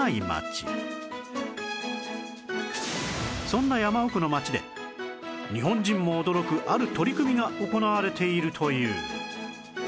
そんな山奥の町で日本人も驚くある取り組みが行われているという